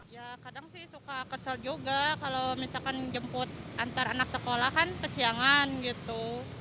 ya kadang sih suka kesel juga kalau misalkan jemput antar anak sekolah kan kesiangan gitu